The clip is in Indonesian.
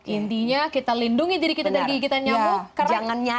intinya kita lindungi diri kita dari gigitan nyamuk